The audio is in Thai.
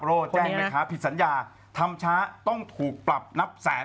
โร่แจ้งแม่ค้าผิดสัญญาทำช้าต้องถูกปรับนับแสน